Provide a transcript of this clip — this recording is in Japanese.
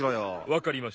わかりました。